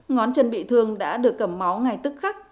ngón chân bị thương đã được cầm máu ngay tức khắc